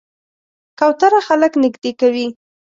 کوتره خلک نږدې کوي.